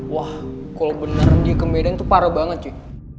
wah kalo beneran dia ke medan tuh parah banget cuy